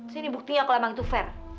si ini buktinya kalau emang itu fair